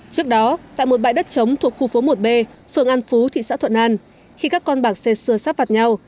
trước đó tại một bãi đất chống thuộc khu phố một b phường an phú thị xã thuận an khi các con bạc xe xưa sắp vặt nhau